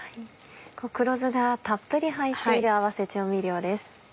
黒酢がたっぷり入っている合わせ調味料です。